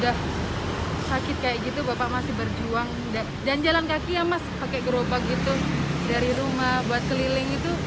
dan jalan kaki ya mas pakai gerobak gitu dari rumah buat keliling itu